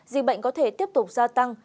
dịch bệnh có thể tiếp tục gia tăng